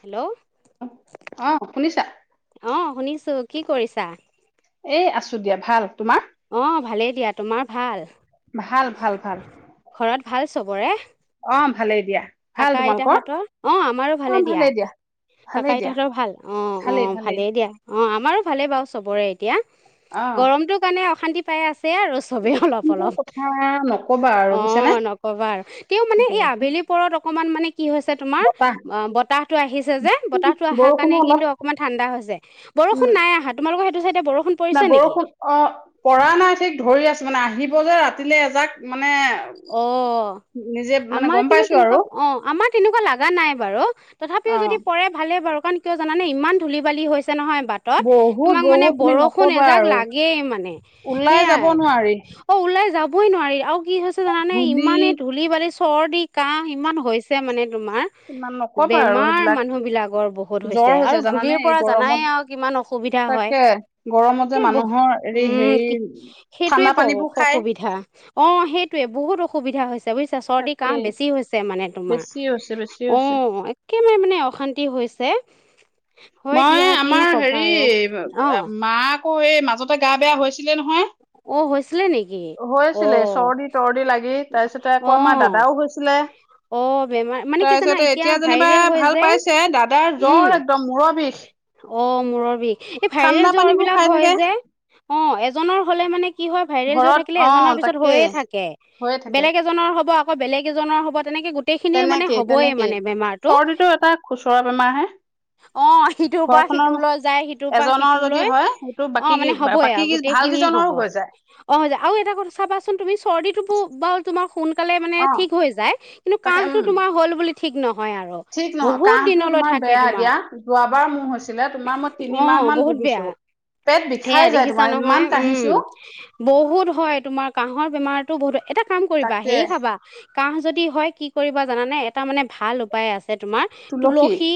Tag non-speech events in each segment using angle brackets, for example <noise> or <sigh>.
Hello. অ শুনিছা? আছো কি কৰিছা? এ আছো দিয়া ভাল তোমাৰ অ', ভালেই দিয়া, তোমাৰ ভাল? ভাল, ভাল, ভাল। ঘৰত ভাল চবৰে? অ ভালেই দিয়া। ভাল কাকা তোমালোকৰ আইতাহঁতৰ, অ আমাৰো অ ভালে দিয়া ভালেই কাকা ভালেই দিয়া আইতাহঁতৰ ভাল অ অ ভালেই দিয়া অ আ আমাৰো ভালে বাৰু চবৰে এতিয়া অ গৰমটোৰ কাৰণে অ অশান্তি পাই আছে সেয়াই আৰু চবেই অলপ কিন্তু অলপ, কথা নকবা আৰু অ বুজিছানে নকবা আৰু তেওঁ মানে এই বহুত আবেলি অকণমান মানে কি হৈছে তোমাৰ, বতাহ অ', বতাহটো আহিছে যে বতাহতটো অহাৰ বৰষুণো কাৰণে অলপ কিন্তু অকমান ঠাণ্ডা হৈছে বৰষুণ নাই আহা তোমালোকৰ সেইটো চাইডে বৰষুণ পৰিছে নাই নেকি বৰষুণ অ' পৰা নাই ঠিক ধৰি আছো মানে আহিব যে ৰাতিলেলৈ এজাক মানে অ নিজে মানে আমাৰ গম কিন্তু পাইছো তেনেকুৱা আৰু অ আমাৰ তেনেকুৱা লগা নাই বাৰু তথাপিও অ যদি পৰে ভালে বাৰু কাৰণ কিয় জানানে ইমান ধূলি বালি হৈছে নহয় বাটত বহুত তোমাক মানে বহুত তুমি বৰষুণ নকবা এজাক আৰু লাগেই মানে ওলাই যাব সেয়াই নোৱাৰি অ ওলাই যাব কই নোৱাৰি আৰু কি হয় ধে জানানে ধূলি ইমানেই ধূলি বালি চৰ্দি কাহ ইমান হৈছে মানে তোমাৰ ইমান নকবা আৰু বেমাৰ সেইবিলাক মানুহ বিলাকৰ বহুত হৈছে জ্বৰ আৰু জানানে ধূলিৰ এই পৰা জানাই গৰমত আৰু কিমান অসুবিধা হয় তাকে গৰমত যে একে বহ মানুহৰ হেৰি উম হেৰি কি সেইটোয়ে ঠাণ্ডা পানীবোৰ খাই অসুবিধা অ সেই বহুত অসুবিধা হৈছে বুইছা চৰ্দি তাকে কাহ বেছি হৈছে মানে তোমাৰ বেছি হৈছে বেছি অ হৈছে একেবাৰে মানে অশান্তি হৈছে হয় দিয়া মই কিনো আমাৰ কবা আৰু হেৰিৰ অ মাক আকৌ এই মাজতে গা বেয়া হৈছিলে নহয় অ নেকি অ হৈছিলে চৰ্দি তৰ্দি লাগি তাৰপিছতে অ আকৌ আমাৰ দাদাও হৈছিলে অ বেমাৰ মানে কি জানা তাৰপিছতে এতিয়া যেনিবা ভাইৰেল হয় ভাল যে পাইছে দাদাৰ উম জ্বৰ একদম মূৰৰত েশ অ মূৰৰ বিষ এই ভাইৰেল জ্বৰ বিলাক খাই হয় থাকে যে অ এজনৰ হলে মানে কি হয় ভাইৰেল জ্বৰ ঘৰত থাকিলে অ এজনৰ পিছত তাকে হৈয়ে থাকে হৈয়ে থাকে বেলেগ এজনৰ হব বেলেগ এজনৰ হবত তেনেকেই তেনেকেই বেমাৰটো চৰ্দিটো এটা খুচুৰা বেমাৰ হে অ সিটোৰ পৰা ঘৰখনৰ সিটো ললৈ যায় সিটোৰ পৰা এজনৰ সিটো যদি ললৈ হয় সেইটো বাকী অ কি মানে হ'বইে বাকী আৰু কি ভাল গোটেইখিনিয় কেইজনৰো হ'ব হৈ যায় অ আৰু এটা কথা চাবাচোন তুমি চৰ্দিটো বো বাও তোমাৰ সোনকালে মানে অ ঠিক হৈ যায় কিন্তু তাকে কাহটো উম তোমাৰ হ'ল বুলি ঠিক ন হয় আৰু ঠিক নহয় বহুত কাহটো দিনলৈ তোমাৰ থাকে বেয়া তোমাৰ দিয়া যোৱাবাৰ মোৰ হৈছিলে তোমাৰ মই অ তিনিমাহ মান বহুত বেয়া ভুগিছো পেট সেয়া বিষাই যায় দেখিছা তোমাৰ নহয় ইমান উম কাহিছো কাহটো বহুত বেয়া এটা কাম কৰিবা তাকে হেৰি খাবা কাহ যদি হয় কি কৰিবা জানানে এটা মানে ভাল উপায় আছে যে তোমাৰ তুলসী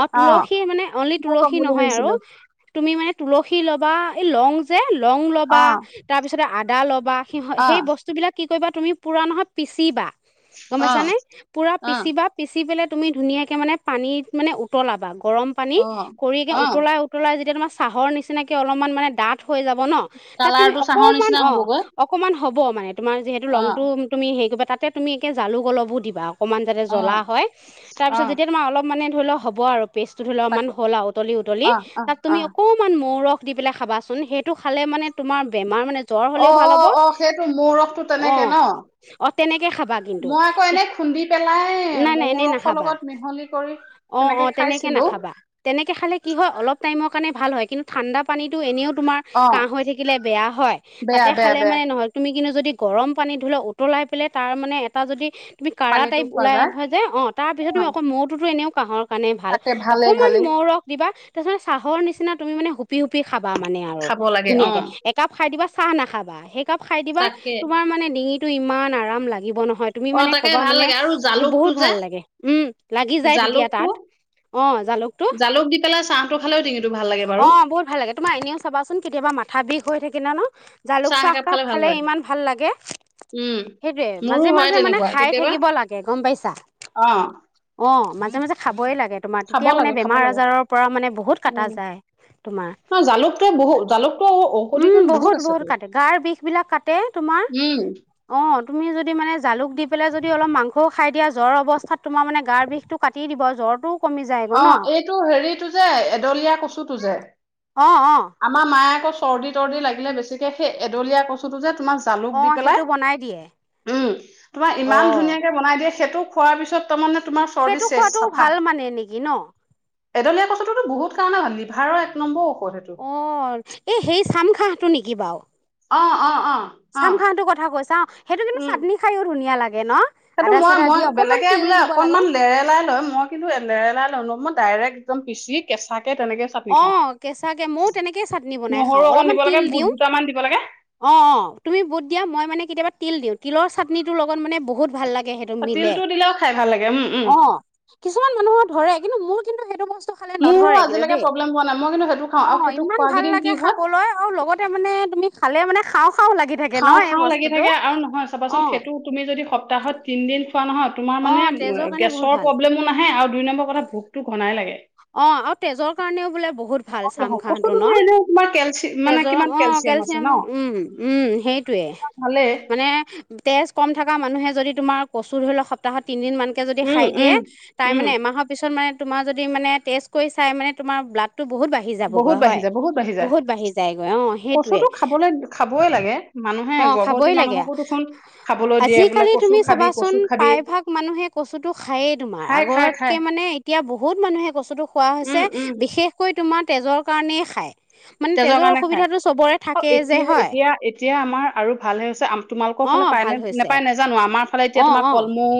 অ তুলসী মানে অনলি মই কম তুলসী বুলি নহয় আৰু ভাবিছিলো তুমি মানে তুলসী ল'বা এই লং যে লং অ ল'বা তাৰপিছতে আ দা ল'বা সেহত অ সেই বস্তু বিলাক কি কৰিবা তুমি পুৰা নহয় পিচিবা। গম অ পাইছা নে পুৰা অ পিচিবা পিচি পেলাই, তুমি ধুনীয়াকে মানে পানীত মানে উ তলা বাম গৰম পানী কৰিকে অ অ উতলাই উতলাই যেতিয়া তোমাৰ চাহৰ নিচিনাকে অলপমান মানে দাঠ হৈ যাব ন তাত তুমি কালাৰটো চাহৰ অকমান নিচিনা অ হবগৈ অকমান হ'ব মানে। তোমাৰ যিহেতু অ লংটো তুমি হেই কবাত তাতে তুমি একে জালুক অলপো দিবা। অকমান যাতে অ জ্বলা হয়। অ তাৰপিছত যেতিয়া তোমাৰ অলপ মানে ফলখ হ'ব আৰু। পেষ্ট টো ধৰি ল অকমান তাকে হ'ল আৰু উতলি, উতলি, অ অ তাত অ তুমি অকমান মৌৰস দি পেলাই খাবাচোন সেইটো খালে মানে তোমাৰ বেমাৰ মানে জ্বৰ অ হ'লেও ভাল অ হ'ব অ সেইটো মৌ ৰসটো অ তেনেকে ন। অ তেনেকে খাবা মই কিন্তু আকৌ এনে খুন্দি পেলাই নাই নাই মৌ এনেই ৰসৰ নাখাবা লগত মিহলি কৰি অ অ তেনেকে নাখাবা। তেনেকে খালে কি হয় অলপ টাইমখ মানে ভাল হয় কিন্তু ঠাণ্ডা পানীটো এনেও তোমাৰ অ কাহ হৈ থাকিলে বেয়া হয় বেয়া তাতে বেয়া খালে বেয়া মানে নহয় তুমি কিন্তু যদি গৰম পানী ধৰি লো উতলাই পেলাই তাৰ মানে এটা যদি তুমি কাৰা পানীটো টাইপ খোৱা ওলাই যায় আইভা যে অ তাৰপিছত অ তুমি অক মোৰটোত এনেও। কাঁহৰ কাৰণে ভাল তাকে ভালেই অকমান ভালেই মৌৰস দিবা তাৰপিছত চাহৰ নিচিনা তুমি মানে হুপি হুপি খাক। বা মানে আৰু খাব লাগে অ ধুনীয়াকে একাপ খাই দিবা চাহ নাখাবা। একাপ খাই দিবা তাকে তোমাৰ মানে ডিঙিত টো ইমান আৰাম লাগিব ন। তুমি অ মানে তাকে ক'বা ভাল মানে লাগে আৰু জালুকটো বহুত যে ভাল লাগে। উম লাগি যায় তেতিয়া। জালুকটো তাত অ জালুকটো। জালুক দি পেলাই চাহটো খালেও ডিঙিটো ভাল লাগে বাৰু অ বহুত ভাল লাগে তোমাৰ এনেও চাবাচোন কেতিয়াবা মাথা বিষ থৈ দি কিনা ন? জালুক চাহ একাপ খালে ইমান ভাল লাগে। উম সেইটোয়ে, মোৰো মাজে হয় মাজে মানে তেনেকুৱা খাই কেতিয়াবা থাকিব লাগে গম পাইছা। অ অ মানে। যামজা। খাবই লাগে। মই তোমাক খাব তেতিয়া মানে লাগে খাব বেমাৰ লাগে আজাৰৰ পৰা মানে বহুত কাটা উম যায়, তোমাৰ। ন জালুকটো বহুত জালুকটো ঔষধি উম গুণ বহুত বহুত আছেতো কাটে। গাৰ বিষবিলাক কাতে তোমাৰ। উম অ', তুমি যদি মানে জালুক দি পেলাই যদি অলপ মাংসও খাই দিয়া জ্বৰ অৱস্থাত তোমাৰ মানে গাৰ বিষটো কাটি কাটি দিব জ্বৰটো অ', এইটো হেৰিটো যে এদলীয়া কচুটো যে, অ অ আমাৰ মায়ে আকৌ চৰ্দি-তৰ্দি লাগিলে বেছিকে সেই এদলীয়া কচুটো যে তোমাক জালুক অ দি পেলাই, সেইটো বনাই দিয়ে উম তোমাক অ ইমান ধুনীয়াকে বনাই দিয়ে সেইটো খোৱাৰ পিছত তাৰমানে তোমাৰ চৰ্দি চেচ চাফা গিন্ এদলীয়া কচুটোতো বহুত কাৰণে ভাল লিভাৰৰ এক নম্বৰ ঔ অ', এ সেই চাম খা টো নেকি বাৰু অ', অ', অ' অ চাম <unintelligible> টো কথা কৈছা সেইটো কিন্তু উম চাটনি খায়ো ধুনীয়া লাগে। ন সেইটো আদা মই চাদা দি মই অকণমান বেলেগে তিল বোলে দিব লাগে অকনমান লেৰেলাই লৈ মই কিন্তু লেৰেলাই লওঁ ম ডাইৰেক্ট একদম পিচি কেঁচা অ', কেঁচাকে ময়ো তেনেকেই চাটনি বনাই নহৰু খাওঁ। অকণ অলপমান দিব লাগে তিল বুট দিওঁ, দুটামান দিব লাগে অ', অ', তুমি বুট দিয়া মই মানে কেতিয়াবা তিল দিওঁ। তিলৰ চাটনিটোৰ লগত মানে বহুত ভাল লাগে। গে সেইটো মিলে। তিলটো দিলেও খাই ভাল লাগে উম উম অ', কিছুমান মানুহৰ ধৰে কিন্তু মোৰ কিন্তু সেইটো বস্তু টো খালে মোৰো নধৰে কিন্তু আজিলৈকে দেই। প্ৰব্লেম হোৱা নাই মই কিন্তু সেইটো খাওঁ আৰু অ', সেইটো ইমান খোৱা ভাল কেইদিন লাগে কি হয় খাবলৈ আৰু লগতে মানে তুমি খাল মানে খাওঁ খাওঁ লাগি থাকে ন এই খাওঁ-খাওঁ লাগি বস্তুটো থাকে আৰু নহয় অ চাবাচোন সেইটো তুমি যদি সপ্তাহত তিনদিন খোৱা নহয় তোমাৰ অ মানে তেজৰ কাৰণে বহুত গেছৰ ভাল প্ৰ'ব্লেমো নাহে আৰু দুই নম্বৰ কথা ভোকতটো ঘনাই লাগে। অ', আৰু তেজৰ কাৰণেও বোলে ভাল চাম নহয় খামহঁতৰ কচুটোতো ন', এনেও তোমাৰ কেলচি মানে তেজৰ কিমান অ' আছে কেলচিয়াম ন উম উম সেইটোৱে ভালেই মানে তেজ কম থকা মানুহে যদি তোমাৰ কচু ধৰি লওঁক সপ্তাহত তিনিদিন মানকে যদি উম খাই দিয়ে উম তাই উম মানে এমাহৰ পিছত মানে তোমাৰ যদি মানে টেষ্ট কৰি চাই মানে তোমাৰ ব্লাড টো বহুত বাঢ়ি বহুত যাবগৈ বাঢ়ি হয় যায় বাঢ়ি যায় বহুত বাঢ়ি যায়গৈ, অ', সেইটোয়ে, কচুটো খাবলৈ খাবই লাগে মানুহে অ', গৰ্ভৱতী খাবই লাগে, মানুহকো দেখোন খাবলৈ দিয়ে বোলে আজিকালি কচু তুমি খাবি চাবাচোন কচু খাবি প্ৰায়ভাগ মানুহে কচুটো খায়েই তোমাৰ খাই খাই আগত খাই কে মানে এতিয়া বহুত মানুহে কচু খোৱা উম হৈছে উম বিশেষকৈ তোমাৰ তেজৰ কাৰণেই খায় মানে তেজৰ কাৰণে খাই অসুবিধাটো চবৰে অ থাকেই যে এতিয়া হয় এতিয়া এতিয়া আমাৰ আৰু ভাল হৈ হৈছে তোমালোকৰ অ ফালে পায় ভাল ন হৈছে নোপায় নোজানো আমাৰ ফালে অ এতিয়া তোমাৰ অ কলমৌ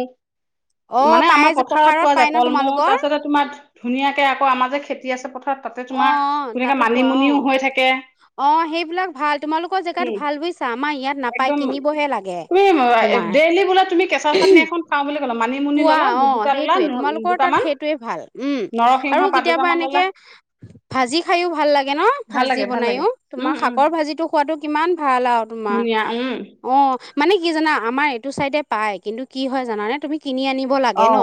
অ মানে পাই আমাৰ যে পথাৰত পোৱা পাই যায় ন কলমৌ তোমালোকৰ তাৰ পিছতে তোমাৰ ধুনীয়াকে আকৌ আমাৰ যে খেতি দি আছেথা <inaudible> তাতে অ অ তোমাৰ সুনেে তাতো পোৱা অ মানিমুনিও থাকে অ সেইবিলাক ভাল তোমালোকৰ জেগাত উম ভাল বুজিছা আমাৰ ইয়াত নাপায় একদম কিনিবহে লাগে তুমি তোমাৰ ডেইলি বোলে তুমি কেঁচা চাটনি এখন খাওঁ বুলি ক'লা মানিমুনি পুৱা ল'লা দু অ দুটা ল'লা সেইটয়ে ন- তোমালোকৰ তাত দুটামান সেইটয়ে ভাল উম নৰসিংহ আৰু পাত কেতিয়াবা দুটামান ল'লা এনেকে ভাজি খাইো ভাল লাগে। গে ন ভাল ভাজি লাগে ভাল লাগে বনাইও? তোমাৰ উম উম শাকৰ ভাজিো খোৱাতটো কিমান ভাল আৰু তোমাৰ। ধুনীয়া উম অ' মানে কি জানা আমাৰ এইটো চাইডে পায় কিন্তু কি হয় জানানে তুমি কিনি আনিব লাগে অ ন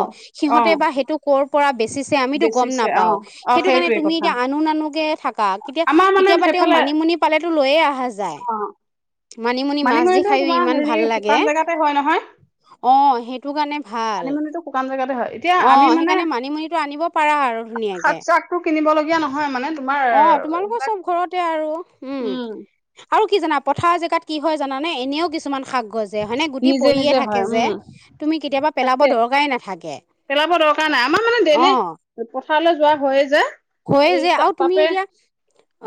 অ সিহঁতে বা সেইটো কৰ পৰা বেচিছে আমিতো গম বেচিছে অ নাপাও অ সেইটো কাৰণে সেইটোৱে কথা এতিয়া আনো নানোকে থাকা কেতিয়া আমাৰ মানে কেতিয়াবা তেওঁ সেইফালে মানিমুনি পালে সেইটো লৈয়ে আহা য যায়, অ মানিমুনি মাছ দি মানিমুনিটো খায়ো তোমাৰ ইমান হেৰি ভাল লাগে! শুকান জেগাতে হয় নহয় অঁ টো কাৰণে ভাল, মানিমুনিটো শুকান জেগাতে হয় এতিয়া আমি অঁ মানে সেইকাৰণে মানিমুনিটো আনিব পাৰা আৰু ধুনীয়াকে। কিনিব লগীয়া নহয় মানে তোমাৰ অ তোমালোকৰ এইবিলাক চব ঘৰতে আৰু উম। আৰু কি জানা পথাৰ জেগাত কি হয় জানে এনেও কিছুমান শাক গজে হয়নে গুটি নিজে নিজে পৰিয়ে হয় থাকে যে উম তুমি কেতিয়াবা পেলাব তাকে দৰকাৰেই নাথাকে। পেলাব দৰকাৰ নাই আমাৰ মানে অ ডেইলি পথাৰলৈ যোৱা হৈয়ে যে হয়ে এই যে ত আৰু তুমি তাপে এতিয়া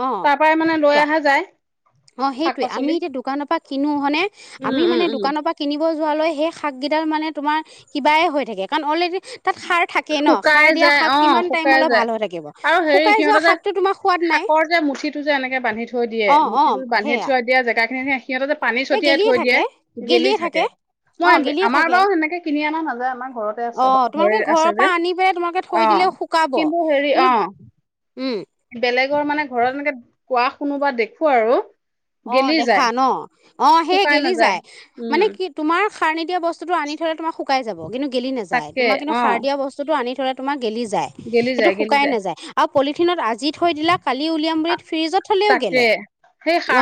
অ তাৰ পৰাই মানে লৈ কোৱা অহা যায়। অ' শাক সেইটোৱে আমি পাচলি এতিয়া দোকানৰ পৰা কিনো হয়নে উম আমি উম মানে উম দোকানৰ পৰা কিনিব যোৱালৈ সেই শাককেইডাল মানে তোমাৰ কিবাই হৈ থাকে, কাৰণ অলৰেডি তাত সাৰ থাকেই ন শুকাই সাৰ দিয়া যায় শাক অ কিমান শুকাই টাইমলৈ যায় ভাল হৈ থাকিব আৰু হেৰি শুকাই যোৱা সিহঁতে যে শাকটো তোমাৰ সোৱাদ নাই শাকৰ যে মুঠিটো যে এনেকে বান্ধি থৈ দিয়ে অ' অ' মুঠিটো বান্ধি সেয়া থয় দিয়া জেগা খিনি সিহঁতে যে পানী এই ছটিয়াই গেলিয়ে থৈ দিয়ে, থাকে গেলি গেলিয়ে থাকে, মই অ গেলিয়ে আমাৰ থাকে বাৰু সেনেকে কিনি অনা না যোৱা আমাং ঘৰতে অ আছে হয়। ভৰি তোমালোকে ঘৰৰ আছে যে পৰা আনি পেলাই তোমালোকে থৈ অ দিলেও শুকাব কিন্তু হেৰি কিন্তু অ উম বেলেগৰ মানে ঘৰত মানে কোৱা শুনো বা দেখো আৰু অ গেলি দেখা যায় ন অ সেয়ে শুকাই গেলি নাযায় যায় মানে উম কি তোমাৰ সাৰ নি দিয়া বস্তুটো আনি থ'লে তোমা শুকাই যাব কিন্তু গেলি নাযায় তাকে তোমাৰ কিন্তু অ সাৰ দিয়া বস্তুটো আনি থলে তোমাৰ গেলি যায় গেলি সেইটো যায় গেলি শুকাই যায় নাযায় আৰু পলিথিনত আজি থৈ দিলা কালি উলিয়াম বুলি ফ্ৰিজত থ'লেও গেলে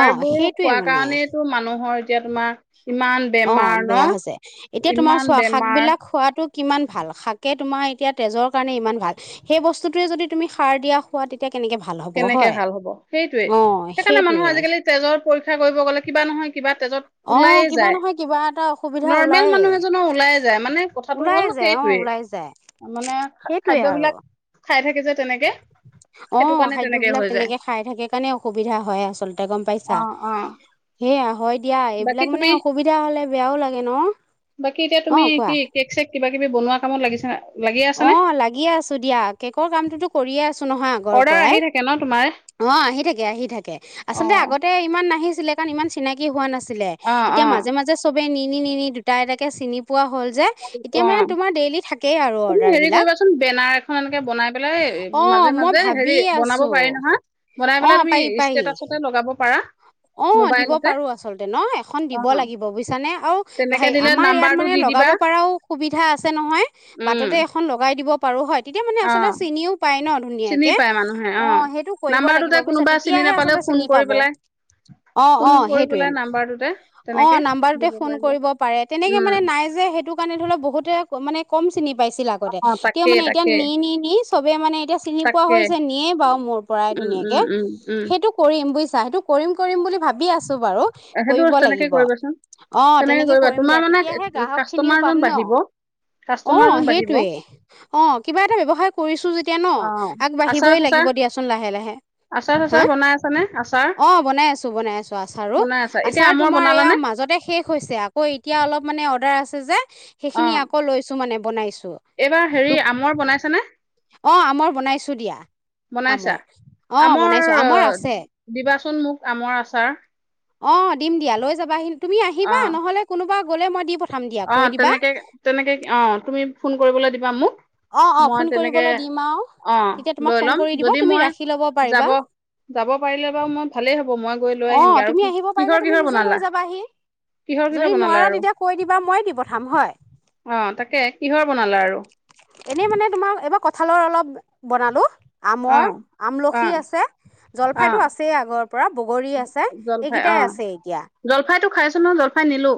অ বোৰ সেইটোৱে খোৱা মানে কাৰণেটো মানুহৰ এতিয়া তোমাৰ ইমান অ বেমাৰ ন? বেয়া হৈছে এতিয়া তোমাৰ ইমান চোৱা বেমাৰ শাকবিলাক খোৱাটো কিমান ভাল শাকে তোমাৰ এতিয়া তেজৰ কাৰণে ইমান ভাল সেই বস্তুটোৱে তুমি সাৰ দিয়া খোৱা কেনেকে ভাল হ'ব কেনেকে হয় ভাল হব, সেইটোয়ে অ সেইকাৰণে সেইটোৱে মানুহৰ আজিকালি তেজৰ পৰীক্ষা কৰিব গ'লে কিবা নহয় কিবা তেজত অ ওলাই কিবা যায় নহয় কিবা এটা অসুবিধা নৰ্মেল ওলায়ে মানুহ এজনৰ ওলাই যায় মানে কথাটো ওলাই হ'ল যায় অ সেইটোৱে ওলাই যায় মানে সেইটোৱে আৰু খাদ্যবিলাক খাই থাকে যে তেনেকে অ সেইটো খাদ্যবিলাক হৈ যায় তেনেকে খাই থাকে কাৰণে অসুবিধা হয় আচলতে গম অ পাইছা? অ সেয়া হয় দিয়া বাকী এইবিলাক মানে তুমি অসুবিধা হ'লে বেয়াও লাগে ন? বাকী এতিয়া অ তুমি কি কোৱা কেক চেক কিবা কিবি বনোৱা কামত লাগিছা অ লাগিয়ে আছো দিয়া কেকৰ কামটোতো কৰিয়ে আছো নহয় আগৰ অৰ্ডাৰ পৰাই আহি থাকে ন তোমাৰ অ আহি থে আহি থাকে অ আচলতে আগতে ইমান নাহি ছিলে কাৰণ ইমান চিনাকি হোৱা নাছিল অ অ এতিয়া মাজে মাজে চবে নি নি নি নি দুটা এটাকে চিনি পোৱা হ'ল যে এতিয়া অ মানে তোমাৰ ডেইলি থাকেই আৰু তুমি হেৰি অৰ্ডাৰবিলাক কৰিবাচোন বেনাৰ এখন এনেকে বনাই পেলাই অ মাজে মই মাজে হেৰি ভাবিয়ে আছো বনাব পাৰি নহয় বনাই পেলাই তুমি ষ্টেটাচতে লগাব পাৰা অঁ দিব মোবাইলতে পাৰো আচলতে ন? এখন অ দিব লাগিব বুইছানে আও তেনেকে দিলে আমাৰ ইয়াত নাম্বাৰটো মানে দি দিবা লগাব পাৰাও সুবিধা আছে নহয়, উম বাটতে এখন লগায় দিব পাৰো হয় তেতিয়া মানে অ আচলতে চিনিও পায় ন চিনি ধুনীয়াকে পায় মানুহে অ অঁ সেইটো কৰিব নাম্বাৰটোতে লাগিব বুইছা, কোনোবা চিনি তেতিয়াহে নাপালেও আচলতে ফোন চিনি কৰি পাব পেলাই অ', ফোন অ', কৰি সেইটোয়ে পেলাই নাম্বাৰটোতে তেনেকে অ', নাম্বাৰটোতে দিব ফোন পাৰিব কৰিব পাৰে তেনেকে উম মানে নাই যে, সেইটো কাৰণে ধৰি লওঁ বহুতে মানে কম চিনি পাইছিল আগতে। অ তেওঁ তাকে মানে এতিয়া তাকে নি নি নি সবে মানে এতিয়া চিনি পোৱা তাকে হৈছে নিয়ে বাৰু মোৰ পৰাই উম ধুনীয়াকে। উম উম উম সেইটো কৰিম বুজি <unintelligible> কৰিম কৰিম বুলি ভাবি আছোঁ বাৰু সেইটো কৰিব তেনেকে লাগিব। কৰিবাচোন অ তেনেকে তেনেকৈ কৰিবা কৰিম তোমাৰ দিয়া, মানে তেতিয়াহে গ্ৰাহক খিনিও পাম কাষ্টমাৰজন ন? বাঢ়িব অ', কাষ্টমাৰজন বাঢ়িব সেইটোয়ে, অ', কিবা এটা ব্যৱসায় কৰিছো যেতিয়া ন অ', আগবাঢ়িবই লাগিব আচাৰ-চাচাৰ, দিয়াচোন লাহে লাহে হা আচাৰ-চাচাৰ বনাই আছানে? আচাৰ অ', বনাই আছোঁ বনাই, আছোঁ আচাৰো। বনাই আছা এতিয়া আচাৰ আমৰ তোমাৰ এয়া বনালানে মাজতে শেষ হৈছে। আকৌ এ এতিয়া অলপ মানে অৰ্ডাৰ আছে যে অ সেইখিনি আকৌ লৈছোঁ মানে। বনাইছোঁ। এইবাৰ হেৰি আমৰ বনাইছানে? অ', আমৰ বনাইছোঁ দিয়া। বনাইছা? আমৰ অ আমৰ বনাইছো আছে দিবাচোন মোক। আমৰ আচাৰ। অ', দিম দিয়া, লৈ যাবাহি তুমি আহিবা, অ নহ'লে কোনোবা গ'লে মই দি প অ', তেনেকৈ, তেনেকৈ, অ তুমি ফোন কৰিবলৈ দিবা মোক অ অ ফোন মই তেনেকৈ, কৰিবলৈ দিম আৰু অ', তেতিয়া তোমাক লৈ ফোন ল'ম কৰি দিব যদি তুমি মই ৰাখি ল'ব পাৰিবা যাব, যাব পাৰিলে বাৰু মই ভালেই হ'ব মই গৈ লৈ অ', আহিমগে আৰু তুমি কি আহিব পাৰিলে কিহৰ তুমি কিহৰ নিজে লৈ বনালা যাবাহি। কিহৰ কিহৰ যদি বনালা নোৱাৰা আৰু তেতিয়া কৈ এইবাৰ মই দি পঠিয়াম হয়। অ তাকে কিহৰ বনালা আৰু এনেই মানে তোমাৰ এইবাৰ কঁঠালৰ অলপ বনালোঁ। অ আমৰ, অ আমলখি আছে, অ জলফাইতো আছেই আগৰ পৰা বগৰী আছে, এইকেইটাই আছে এতিয়া। জলফাইতো খাইছোঁ নহয়, জলফাই নিলো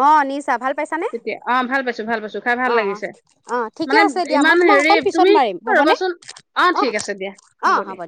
অ', লৈ গৈছা ভাল পাইছানে তেতিয়া, অ ভাল পাইছোঁ, ভাল পাইছোঁ খাই ভাল অঁ অঁ লাগিছে। অঁ ঠিকে মানে আছে দিয়া মই ইমান তোমাক হেৰি অকণ পিছত তুমি মাৰিম এ হ'বনে ৰ'বাচোন অ অঁ ঠিক আছে দিয়া, হ'ব দিয়া।